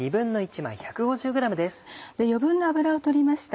余分な脂を取りました。